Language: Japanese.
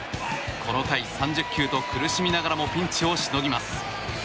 この回３０球と苦しみながらもピンチをしのぎます。